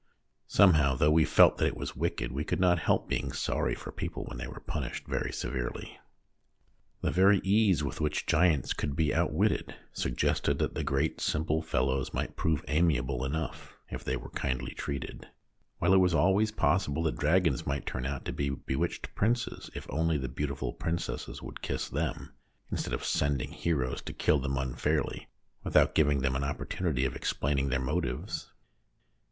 Somehow, though we felt that it was wicked, we could not help being sorry for people when they were punished very severely. The very ease with which giants could be outwitted suggested that the great simple fellows might prove amiable enough if they were kindly treated, while it was always possible that dragons might turn out to be bewitched princes, if only the beautiful princesses would kiss them instead of sending heroes to kill them unfairly, with out giving them an opportunity of explaining their motives.